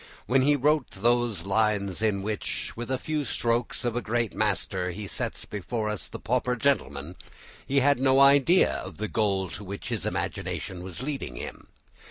When he wrote those lines in which "with a few strokes of a great master he sets before us the pauper gentleman," he had no idea of the goal to which his imagination was leading him.